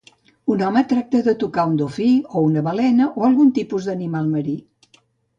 Un home tracta de tocar un dofí o una balena o algun tipus d'animal marí.